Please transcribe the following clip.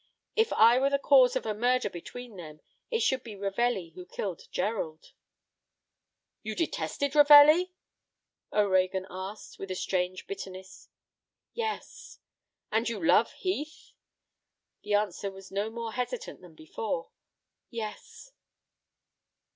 If I were the cause of a murder between them, it should be Ravelli who killed Gerald." "You detested Ravelli?" O'Reagan asked, with a strange bitterness. "Yes." "And you love Heath?" The answer was no more hesitant than before; "Yes."